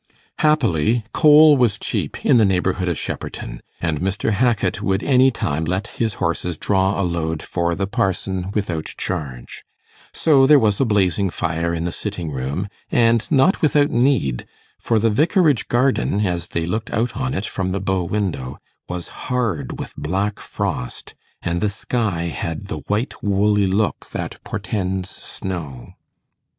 Happily coal was cheap in the neighbourhood of Shepperton, and Mr. Hackit would any time let his horses draw a load for 'the parson' without charge; so there was a blazing fire in the sitting room, and not without need, for the vicarage garden, as they looked out on it from the bow window, was hard with black frost, and the sky had the white woolly look that portends snow.